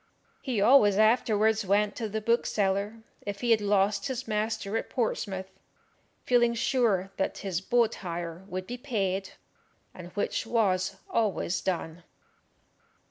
He always afterwards went to the bookseller, if he had lost his master at Portsmouth, feeling sure that his boat hire would be paid, and which was always done.